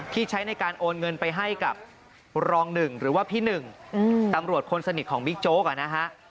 ใช้ในการโอนเงินไปให้กับรองหนึ่งหรือว่าพี่หนึ่งตำรวจคนสนิทของบิ๊กโจ๊กนะฮะ